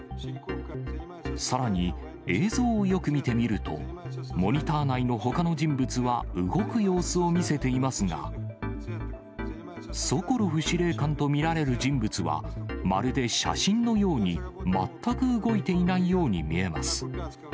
さらに、映像をよく見てみると、モニター内のほかの人物は動く様子を見せていますが、ソコロフ司令官と見られる人物は、まるで写真のように、全く動いていないように見えます。